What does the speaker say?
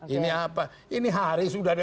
ini hari sudah